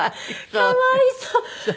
かわいそう。